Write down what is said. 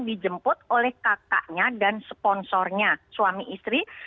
dijemput oleh kakaknya dan sponsornya suami istri